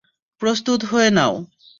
প্রস্তুত হয়ে নাও।